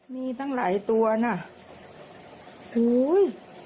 มีตั้งหลายตัวน่ะอุ้ย